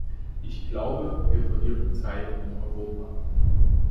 Ich glaube, wir verlieren Zeit in Europa.